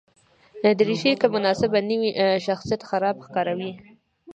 دریشي که مناسبه نه وي، شخصیت خراب ښکاروي.